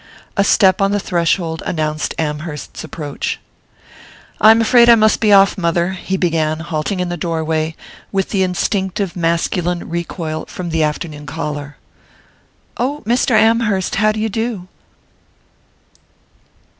A step on the threshold announced Amherst's approach. "I'm afraid I must be off, mother " he began, halting in the doorway with the instinctive masculine recoil from the afternoon caller. "Oh, Mr. Amherst, how d'you do?